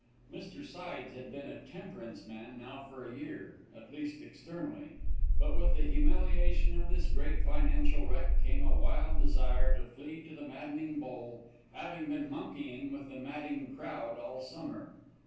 Mr. Sides had been a temperance man now for a year, at least externally, but with the humiliation of this great financial wreck came a wild desire to flee to the maddening bowl, having been monkeying with the madding crowd all summer.